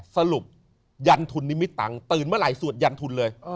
สรุปยันทุนนิมิตตังค์ตื่นเมื่อไหร่สวดยันทุนเลย